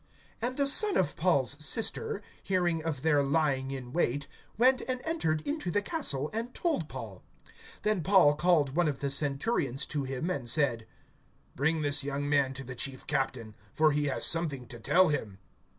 (16)And the son of Paul's sister, hearing of their lying in wait, went and entered into the castle, and told Paul. (17)Then Paul called one of the centurions to him, and said: Bring this young man to the chief captain; for he has something to tell him.